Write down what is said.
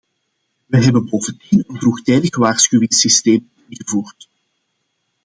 We hebben bovendien een vroegtijdig waarschuwingssysteem ingevoerd.